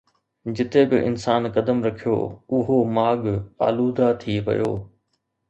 جتي به انسان قدم رکيو، اُهو ماڳ آلوده ٿي ويو